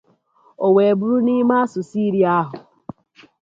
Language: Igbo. O wee bụrụ na n'ime asụsụ iri ahụ